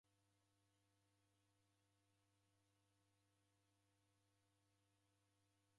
Nedagha kitambulisho chapo chienyi